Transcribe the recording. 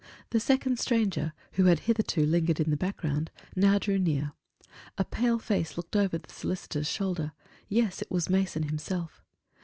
The second stranger, who had hitherto lingered in the background, now drew near; a pale face looked over the solicitor's shoulder yes, it was Mason himself.